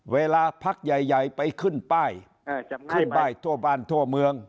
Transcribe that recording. เวลาพักใหญ่ไปขึ้นป้ายขึ้นป้ายทั่วบ้านทั่วเมือง